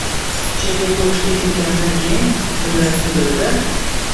Chet elga o‘qishga ketganimdan keyin, kunlarning birida